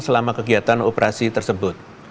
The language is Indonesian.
selama kegiatan operasi tersebut